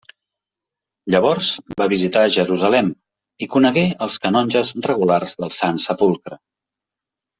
Llavors va visitar Jerusalem i conegué els Canonges Regulars del Sant Sepulcre.